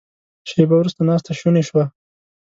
شیبه وروسته ناسته ناشونې شوه.